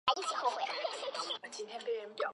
因为紧张的肌肉就像淤塞的水管阻碍水的流通。